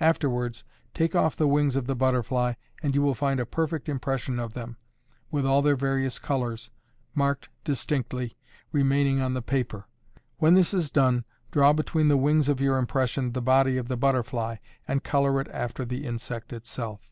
Afterwards take off the wings of the butterfly, and you will find a perfect impression of them, with all their various colors, marked distinctly, remaining on the paper. When this is done, draw between the wings of your impression the body of the butterfly, and color it after the insect itself.